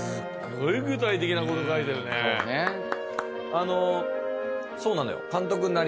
はいそうなのよ